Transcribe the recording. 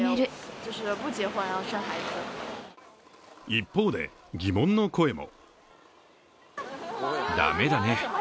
一方で、疑問の声も。